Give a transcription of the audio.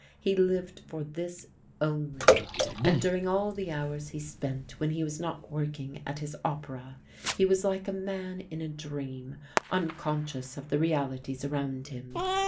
He lived for this only, and during all the hours he spent when he was not working at his opera he was like a man in a dream, unconscious of the realities around him.